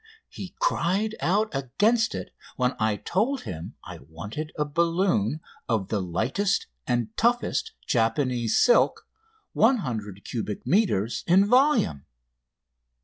He cried out against it when I told him I wanted a balloon of the lightest and toughest Japanese silk, 100 cubic metres (about 3500 cubic feet) in volume.